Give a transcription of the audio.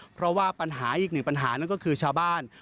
เพราะว่าปัญหาอีกหนึ่งปัญหานั่นก็คือชาวบ้าน